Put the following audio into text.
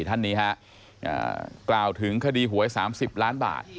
ท่านนี้ฮะกล่าวถึงคดีหวย๓๐ล้านบาท